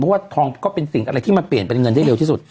เพราะว่าทองก็เป็นสิ่งอะไรที่มันเปลี่ยนเป็นเงินได้เร็วที่สุด